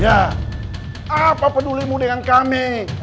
ya apa pedulimu dengan kami